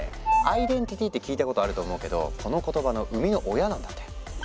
アイデンティティって聞いたことあると思うけどこの言葉の生みの親なんだって。